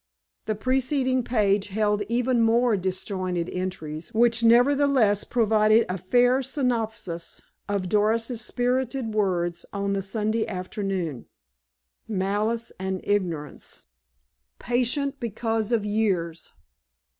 The preceding page held even more disjointed entries, which, nevertheless, provided a fair synopsis of Doris's spirited words on the Sunday afternoon. _"Malice and ignorance." "Patient because of years."